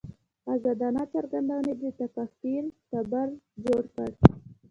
ازادانه څرګندونې د تکفیر تبر جوړ کړ.